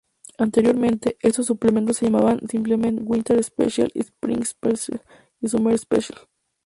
Anteriormente, estos suplementos se llamaban simplemente "Winter Special", "Spring Special" y "Summer Special".